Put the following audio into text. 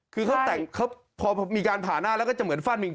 คือพอมีการผ่าหน้าแล้วก็จะเหมือนฟั่นปิง